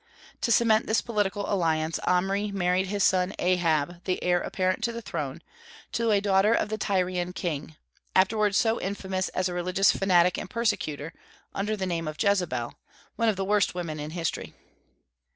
To cement this political alliance, Omri married his son Ahab the heir apparent to the throne to a daughter of the Tyrian king, afterward so infamous as a religious fanatic and persecutor, under the name of Jezebel, one of the worst women in history.